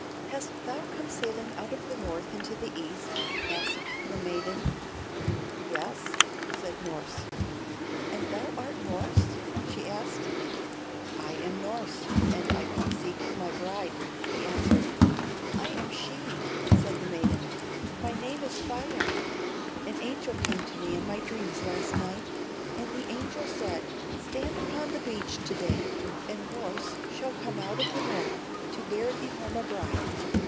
"Hast thou come sailing out of the North into the East?" asked the maiden. "Yes," said Norss. "And thou art Norss?" she asked. "I am Norss; and I come seeking my bride," he answered. "I am she," said the maiden. "My name is Faia. An angel came to me in my dreams last night, and the angel said: 'Stand upon the beach to day, and Norss shall come out of the North to bear thee home a bride.'